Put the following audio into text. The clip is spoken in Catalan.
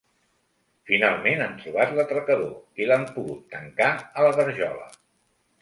Finalment han trobat l'atracador i l'han pogut tancar a la garjola.